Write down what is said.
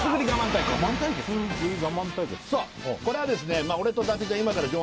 これはですね